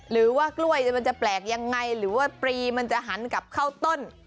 หรือว่ากล้วยมันจะแปลกยังไงหรือว่าปรีมันจะหันกลับเข้าต้น